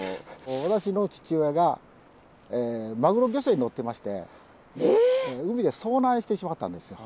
私の父親がマグロ漁船に乗ってまして海で遭難してしまったんですよ。